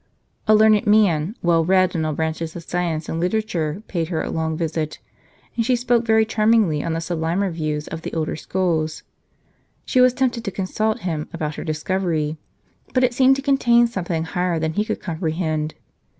A learned man, well read in all branches of science and literature, paid her a long visit, and spoke very charmingly on the sublimer views of the older schools. She was tempted to consult Mm about her discov ery ; but it seemed to contain something higher than he could comprehend.